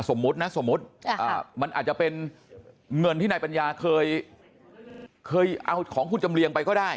สมมุตินะสมมุติมันอาจจะเป็นเงินที่นายปัญญาเคยเอาของคุณจำเรียงไปก็ได้